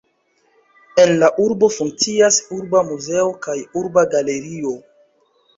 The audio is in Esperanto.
En la urbo funkcias Urba muzeo kaj Urba galerio.